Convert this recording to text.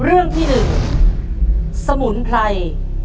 เรื่องที่๑สมุนไพร